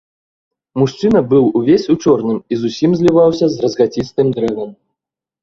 Мужчына быў увесь у чорным і зусім зліваўся з разгацістым дрэвам.